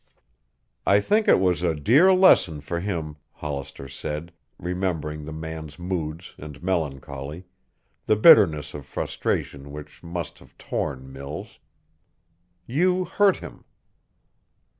"I think it was a dear lesson for him," Hollister said, remembering the man's moods and melancholy, the bitterness of frustration which must have torn Mills. "You hurt him."